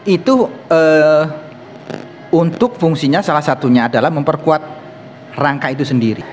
itu untuk fungsinya salah satunya adalah memperkuat rangka itu sendiri